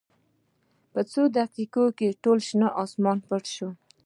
په څو دقېقو کې ټول شین اسمان پټ شو.